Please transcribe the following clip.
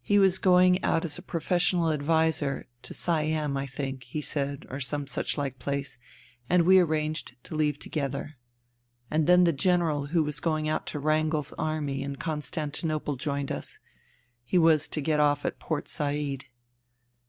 He was going out as professional adviser — ^to Siam, I think, he said — or some such like place, and we arranged to leave together. And then the General who was going out to Wrangel's Army in Constantinople joined us. He was to get off at Port Said.